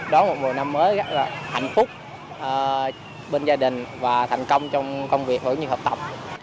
đón một mùa năm mới rất là hạnh phúc bên gia đình và thành công trong công việc cũng như hợp tập